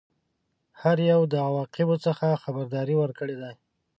هر یوه د عواقبو څخه خبرداری ورکړی دی.